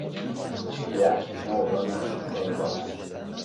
Hi ha nou dones i onze homes.